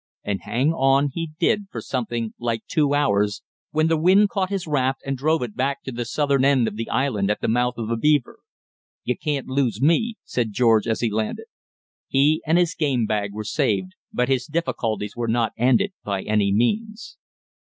And hang on he did for something like two hours, when the wind caught his raft and drove it back to the southern end of the island at the mouth of the Beaver. "You can't lose me," said George, as he landed. He and his game bag were saved, but his difficulties were not ended by any means.